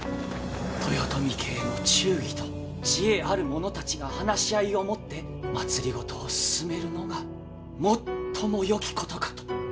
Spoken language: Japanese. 豊臣家への忠義と知恵ある者たちが話し合いをもって政を進めるのが最もよきことかと。